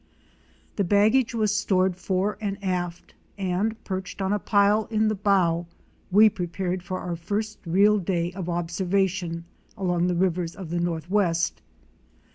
The baggage was stored fore and aft and, perched on a pile in the bow, we prepared for our first real day of observation along the rivers of the Northwest.